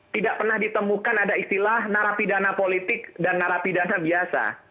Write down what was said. tidak pernah ditemukan ada istilah narapidana politik dan narapidana biasa